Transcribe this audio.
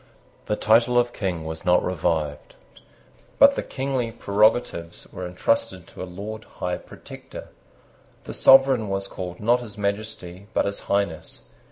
The title of King was not revived; but the kingly prerogatives were intrusted to a Lord High Protector. The sovereign was called not His Majesty, but His Highness.